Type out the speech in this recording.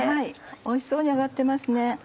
おいしそうに揚がってますね。